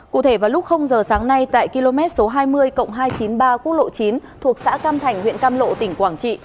cụ thể vào lúc giờ sáng nay tại km số hai mươi hai trăm chín mươi ba quốc lộ chín thuộc xã cam thành huyện cam lộ tỉnh quảng trị